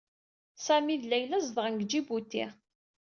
Sami d Layla zedɣen deg Ǧibuti.